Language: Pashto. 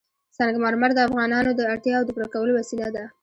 سنگ مرمر د افغانانو د اړتیاوو د پوره کولو وسیله ده.